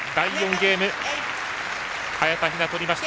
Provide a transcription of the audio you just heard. ゲーム早田ひな、取りました。